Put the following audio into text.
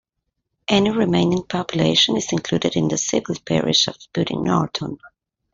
Any remaining population is included in the civil parish of Pudding Norton.